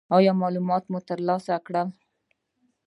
ایا معلومات مو ترلاسه کړل؟